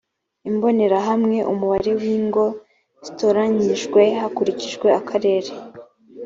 imbonerahamwe umubare w ingo zatoranijwe hakurikijwe akarere